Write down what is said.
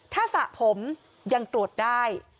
ถ้าสระผมยังตรวจได้